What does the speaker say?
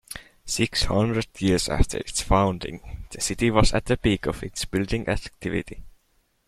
Six hundred years after its founding, the city was at the peak of its building activity.